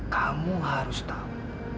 kamu harus tahu